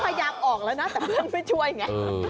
พออยากออกแล้วนะแต่เพื่อนไม่ช่วยอย่างนี้